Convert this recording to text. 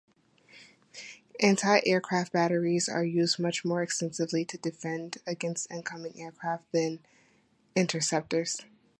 Anti-aircraft batteries are used much more extensively to defend against incoming aircraft than interceptors.